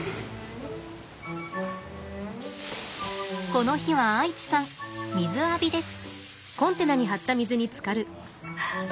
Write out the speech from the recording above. この日はアイチさん水浴びです。